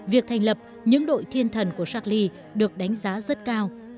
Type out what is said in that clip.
việc thành lập những đội thiên thần của shackly được đánh giá rất cao